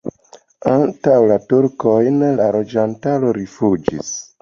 Antaŭ la turkojn la loĝantaro rifuĝis.